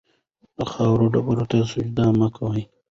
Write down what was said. د خاورو ډېري ته سجده مه کوئ.